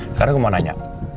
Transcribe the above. sekarang gue mau nanya